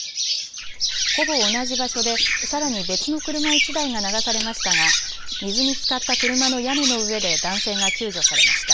ほぼ同じ場所でさらに別の車１台が流されましたが水につかった車の屋根の上で男性が救助されました。